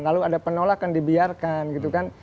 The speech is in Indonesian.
lalu ada penolakan dibiarkan gitu kan